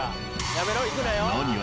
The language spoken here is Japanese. やめろ行くなよ。